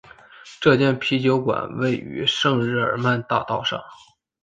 这间啤酒馆位于圣日耳曼大道上。